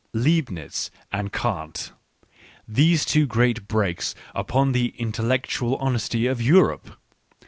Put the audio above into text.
Leibniz and Kant — these two great breaks upon the intellectual honesty of Europe